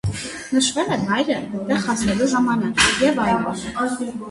Նշվել է վայրը, տեղ հասնելու ժամանակը և այլն։